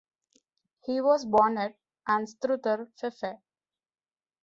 He was born at Anstruther, Fife.